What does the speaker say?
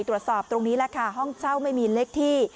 ตรวจสอบตรงนี้แหละค่ะห้องเช่าไม่มีเลขที่